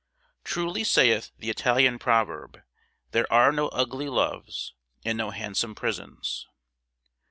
Truly saith the Italian proverb, "There are no ugly loves and no handsome prisons."